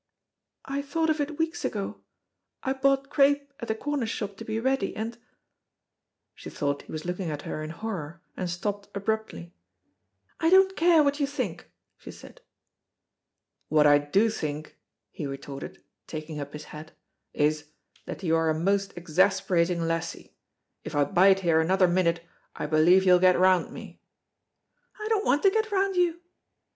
"I thought of it weeks ago, I bought crape at the corner shop to be ready, and " She thought he was looking at her in horror, and stopped abruptly. "I don't care what you think," she said. "What I do think," he retorted, taking up his hat, "is, that you are a most exasperating lassie. If I bide here another minute I believe you'll get round me." "I don't want to get round you."